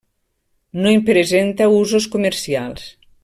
No en presenta usos comercials.